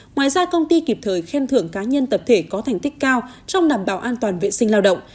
ngoài ra công ty kịp thời khen thưởng cá nhân tập thể có thành tích cao trong đảm bảo an toàn vệ sinh lao động